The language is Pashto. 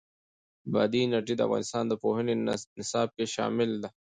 بادي انرژي د افغانستان د پوهنې نصاب کې شامل دي.